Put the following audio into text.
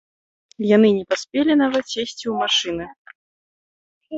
Яны не паспелі нават сесці ў машыны.